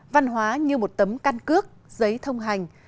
văn hóa như một tấm căn cước giấy thông hành